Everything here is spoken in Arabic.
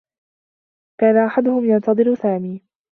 كان أحدهم ينتظر سامي.